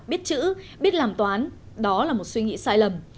biết chữ biết làm toán đó là một suy nghĩ sai lầm